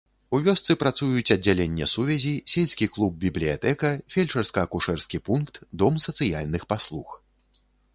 У вёсцы працуюць аддзяленне сувязі, сельскі клуб-бібліятэка, фельчарска-акушэрскі пункт, дом сацыяльных паслуг.